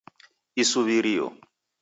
Isuwirio